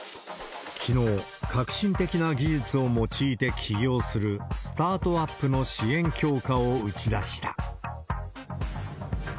きのう、革新的な技術を用いて起業するスタートアップの支援強化を打ち出した。